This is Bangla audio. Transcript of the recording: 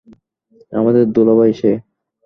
আমাদের দুলাভাই সে।